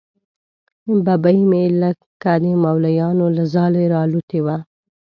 ببۍ مې که د مولیانو له ځالې را الوتې وه.